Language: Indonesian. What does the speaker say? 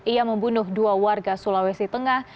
ia membunuh dua warga sulawesi tengah